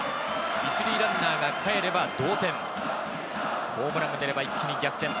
１塁ランナーがかえれば同点、ホームランが出れば一気に逆転。